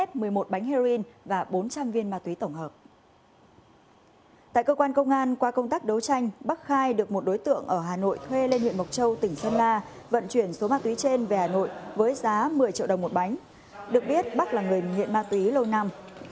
tại cơ quan công an qua công tác đấu tranh bắc khai được một đối tượng ở hà nội thuê lên huyện mộc châu tỉnh sơn la vận chuyển số ma túy trên về hà nội với giá một mươi triệu đồng một bánh được biết bắc là người nghiện ma túy lâu năm